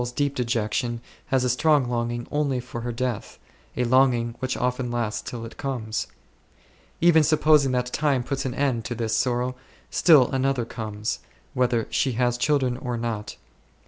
soul's deep dejection has a strong longing only for her death, a longing which often lasts till it comes. Even supposing that time puts an end to this sorrow, still another comes, whether she has children or not.